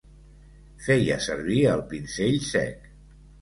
Feia servir el pinzell sec.